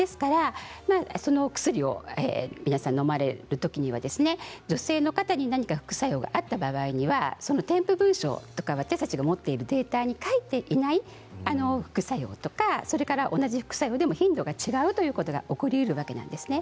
その薬を皆さんのまれる時には女性の方に何か副作用があった場合には添付文書とか私たちが持っているデータに書いていない副作用とか同じ副作用でも頻度が違うということが起こりうるわけなんですね。